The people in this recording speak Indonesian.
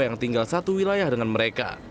yang tinggal satu wilayah dengan mereka